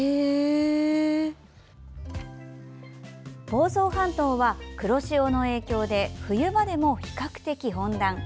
房総半島は、黒潮の影響で冬場でも比較的温暖。